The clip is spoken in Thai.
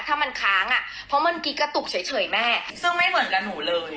ถ้ามันค้างอ่ะเพราะเมื่อกี้กระตุกเฉยแม่ซึ่งไม่เหมือนกับหนูเลย